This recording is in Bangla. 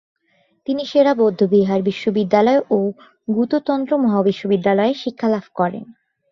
তিনি সে-রা বৌদ্ধবিহার বিশ্ববিদ্যালয়ে ও গ্যুতো তন্ত্র মহাবিদ্যালয়ে শিক্ষালাভ করেন।